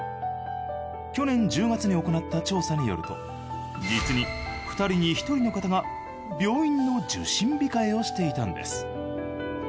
去年１０月に行った調査によると実に２人に１人の方が病院の受診控えをしていたんです。